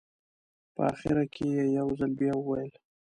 په اخره کې یې یو ځل بیا وویل.